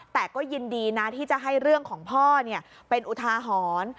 แต่ก็ยินดีนะที่จะให้เรื่องของพ่อเป็นอุทาหรณ์